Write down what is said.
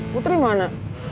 bu itu dimana